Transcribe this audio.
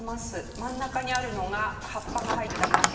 真ん中にあるのが葉っぱが入ったマテ茶のカップ。